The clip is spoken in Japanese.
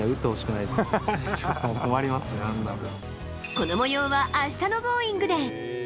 この模様はあしたの『Ｇｏｉｎｇ！』で。